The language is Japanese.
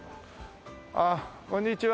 あっこんにちは。